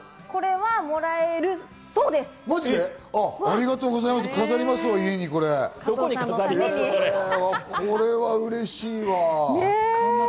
これは嬉しいわ。